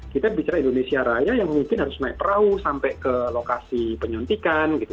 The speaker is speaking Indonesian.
kita bicara indonesia raya yang mungkin harus naik perahu sampai ke lokasi penyuntikan gitu